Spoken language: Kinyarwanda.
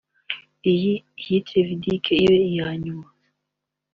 iya Trevidick ibe iyanyuma